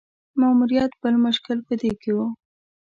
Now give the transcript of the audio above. ماموریت بل مشکل په دې کې وو.